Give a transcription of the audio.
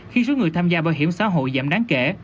khi số người tham gia bảo hiểm xã hội giảm đáng kể